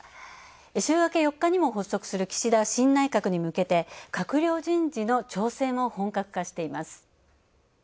週明け４日にも発足する岸田新内閣に向けて、閣僚人事の調整も本格化しています。